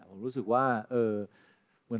โปรดติดตามต่อไป